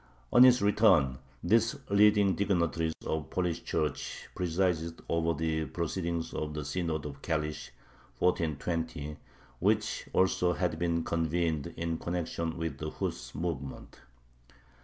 On his return, this leading dignitary of the Polish Church presided over the proceedings of the Synod of Kalish (1420), which had also been convened in connection with the Huss movement.